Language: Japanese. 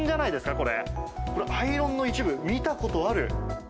これアイロンの一部、見たことある。